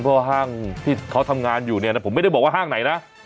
เพราะห้างที่เขาทำงานอยู่เนี่ยนะผมไม่ได้บอกว่าห้างไหนนะ